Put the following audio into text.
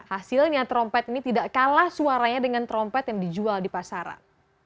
hasilnya trompet ini tidak kalah suaranya dengan trompet yang dijual di pasaran